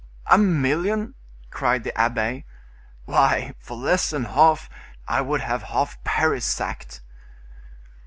"A million!" cried the abbe; "why, for less than half, I would have half Paris sacked."